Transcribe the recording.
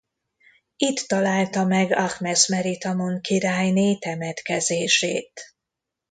Itt találta meg Ahmesz-Meritamon királyné temetkezését.